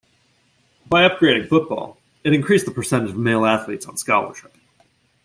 By upgrading football, it increased the percentage of male athletes on scholarship.